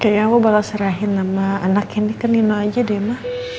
kayaknya aku bakal serahin sama anak ini ke nino aja deh ma